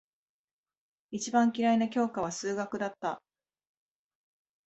一番嫌いな教科は数学だった。